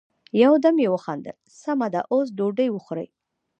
يو دم يې وخندل: سمه ده، اوس ډوډی وخورئ!